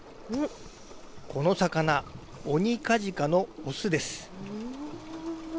この魚オニカジカの雄です。